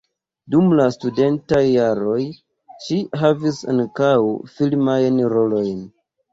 Dum la studentaj jaroj ŝi havis ankaŭ filmajn rolojn.